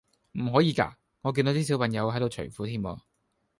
唔可以㗎？我見到啲小朋友喺度除褲添喎